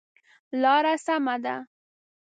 لاره سمه ده؟